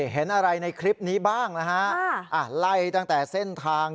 เห็นอะไรในคลิปนี้บ้างนะฮะไล่ตั้งแต่เส้นทาง